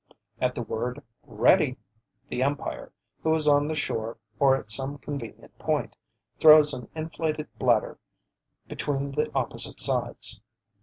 At the word "Ready," the umpire, who is on the shore or at some convenient point, throws an inflated bladder between the opposite sides.